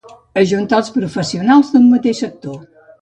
Ajuntar els professionals d'un mateix sector.